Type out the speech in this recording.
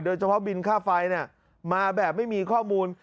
โดยเฉพาะบินค่าไฟเนี่ยมาแบบไม่มีข้อมูล